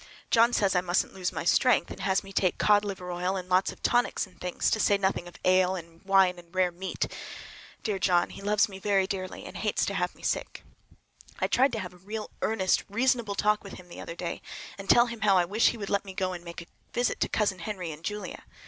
John says I musn't lose my strength, and has me take cod liver oil and lots of tonics and things, to say nothing of ale and wine and rare meat. Dear John! He loves me very dearly, and hates to have me sick. I tried to have a real earnest reasonable talk with him the other day, and tell him how I wish he would let me go and make a visit to Cousin Henry and Julia.